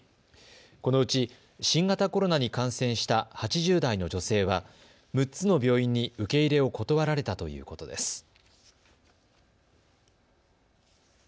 このうち新型コロナに感染した８０代の女性は６つの病院に受け入れを断られたということです。